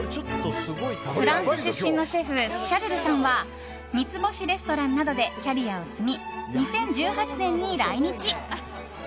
フランス出身のシェフシャルルさんは三つ星レストランなどでキャリアを積み２０１８年に来日。